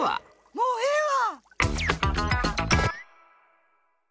もうええわ！